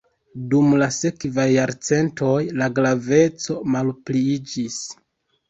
Dum la sekvaj jarcentoj la graveco malpliiĝis.